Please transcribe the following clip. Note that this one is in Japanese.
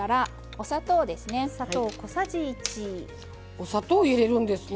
お砂糖入れるんですね。